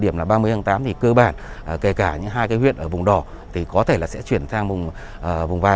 điểm là ba mươi tháng tám thì cơ bản kể cả những hai cái huyện ở vùng đỏ thì có thể là sẽ chuyển sang vùng vào